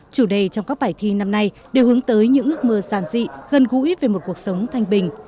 chủ đề trong các bài thi năm nay đều hướng tới những ước mơ giàn dị gần gũi về một cuộc sống thanh bình